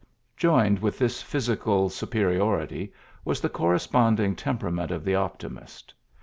'' Joined with this physical superi ority was the corresponding temperament of the optimist.